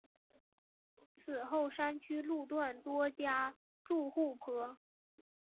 此后山区路段多加筑护坡。